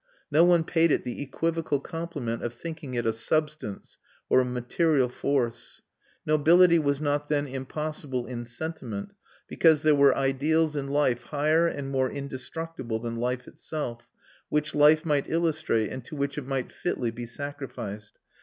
No one paid it the equivocal compliment of thinking it a substance or a material force. Nobility was not then impossible in sentiment, because there were ideals in life higher and more indestructible than life itself, which life might illustrate and to which it might fitly be sacrificed.